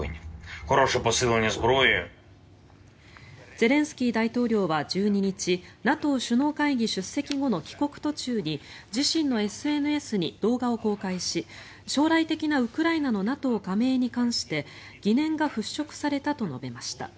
ゼレンスキー大統領は１２日ＮＡＴＯ首脳会議出席後の帰国途中に自身のＳＮＳに動画を公開し将来的なウクライナのＮＡＴＯ加盟に関して疑念が払しょくされたと述べました。